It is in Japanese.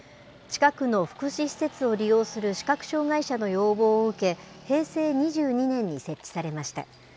近くの福祉施設を利用する視覚障害者の要望を受け、平成２２年に設置されました。